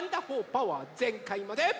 パワーぜんかいまで。